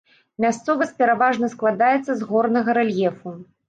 Мясцовасць пераважна складаецца з горнага рэльефу.